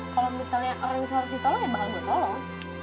kalau misalnya orang itu harus ditolong ya bakal gue tolong